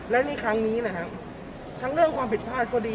และในครั้งนี้นะครับทั้งเรื่องความผิดพลาดก็ดี